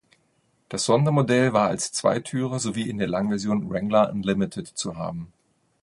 Das Sondermodell war als Zweitürer sowie in der Langversion „Wrangler Unlimited“ zu haben.